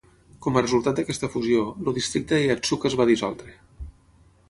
Com a resultat d'aquesta fusió, el districte de Yatsuka es va dissoldre.